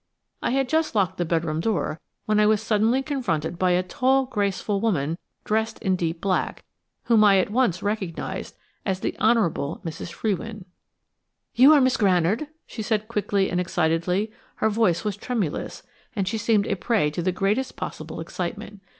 I had just locked the bedroom door when I was suddenly confronted by a tall, graceful woman dressed in deep black, whom I at once recognised as the Honourable Mrs. Frewin. "You are Miss Granard?" she said quickly and excitedly; her voice was tremulous and she seemed a prey to the greatest possible excitement.